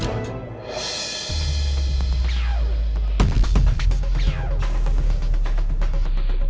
dari tadi mukanya bete banget